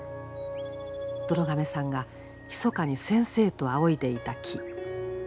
どろ亀さんがひそかに先生と仰いでいた木。